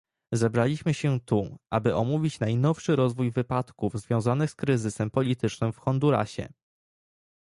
Zebraliśmy się tu, aby omówić najnowszy rozwój wypadków związanych z kryzysem politycznym w Hondurasie